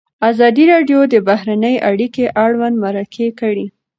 ازادي راډیو د بهرنۍ اړیکې اړوند مرکې کړي.